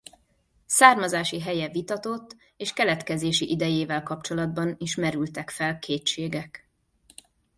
Származási helye vitatott és keletkezési idejével kapcsolatban is merültek fel kétségek.